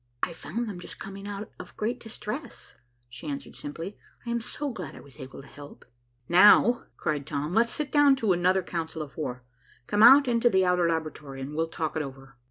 "I found them just coming out of great distress," she answered simply; "I am so glad I was able to help." "Now," cried Tom, "let's sit down to another counsel of war. Come out into the outer laboratory and we'll talk it all over."